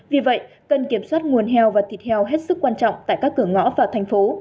vì vậy cần kiểm soát nguồn heo và thịt heo hết sức quan trọng tại các cửa ngõ vào thành phố